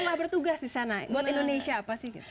selama bertugas di sana buat indonesia apa sih